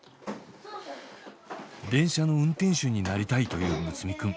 電車の運転手になりたいという睦弥くん。